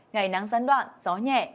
ngày nắng gián đoạn gió nhẹ